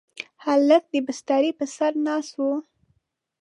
هلک د بسترې پر سر ناست و.